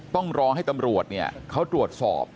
ต้องรอให้ตำรวจเขาตรวจสอบ